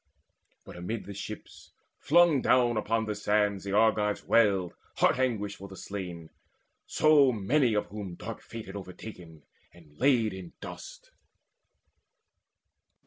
But amidst the ships Flung down upon the sands the Argives wailed Heart anguished for the slain, so many of whom Dark fate had overtaken and laid in dust.